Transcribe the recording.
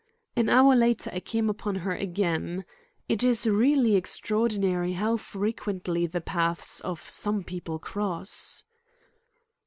An hour later I came upon her again. It is really extraordinary how frequently the paths of some people cross.